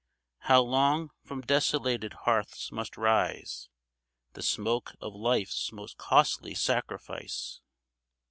How long from desolated hearths must rise The smoke of life's most costly sacrifice